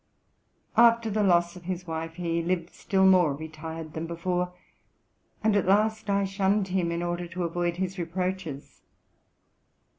After the loss of his wife he lived still more retired than before, and at last I shunned him in order to avoid his reproaches.